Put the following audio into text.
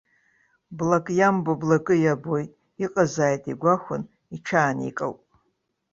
Блак иамбо, блакы иабоит, иҟазааит игәахәын, иҽааникылт.